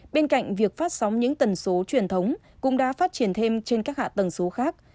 bên cạnh việc phát sóng những tần số truyền thống cũng đã phát triển thêm trên các hạ tầng số khác